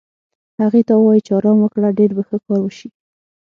هغې ته ووایې چې ارام وکړه، ډېر به ښه کار وشي.